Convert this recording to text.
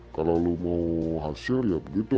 kalau lo mau hasil ya begitu